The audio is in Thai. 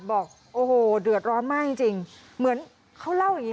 บอกโอ้โหเดือดร้อนมากจริงจริงเหมือนเขาเล่าอย่างงี